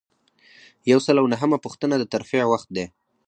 یو سل او نهمه پوښتنه د ترفیع وخت دی.